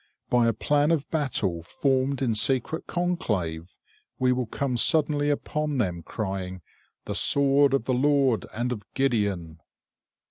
By a plan of battle formed in secret conclave, we will come suddenly upon them, crying: "The sword of the Lord and of Gideon!"